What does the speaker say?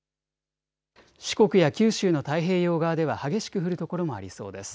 四国や九州の太平洋側では激しく降る所もありそうです。